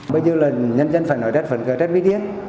bây giờ là nhân dân phải nói rất phần cờ rất biết điếc